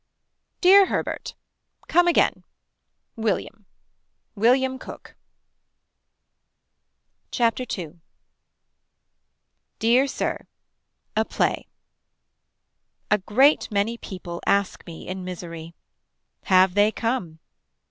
Dear Herbert. Come again. William. William Cook. Chapter 2. Dear Sir. A play. A great many people ask me in misery. Have they come.